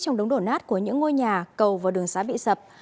trong đống đổ nát của những ngôi nhà cầu và đường xá bị sập